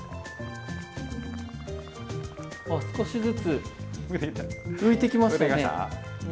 あっ少しずつ浮いてきましたね。